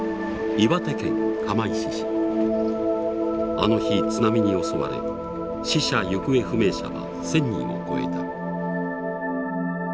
あの日津波に襲われ死者・行方不明者は１，０００人を超えた。